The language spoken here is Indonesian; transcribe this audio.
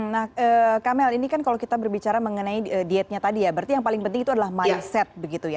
nah kamel ini kan kalau kita berbicara mengenai dietnya tadi ya berarti yang paling penting itu adalah mindset begitu ya